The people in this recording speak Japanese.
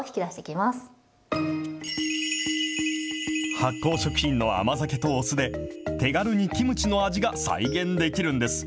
発酵食品の甘酒とお酢で、手軽にキムチの味が再現できるんです。